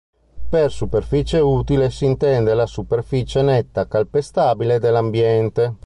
Per superficie utile si intende la superficie netta calpestabile dell'ambiente.